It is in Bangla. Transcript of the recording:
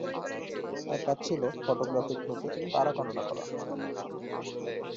তার কাজ ছিল ফটোগ্রাফিক প্লেটে তারা গণনা করা।